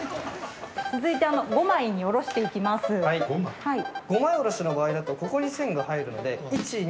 続いて５枚おろしの場合だとここに線が入るので１２３４５枚。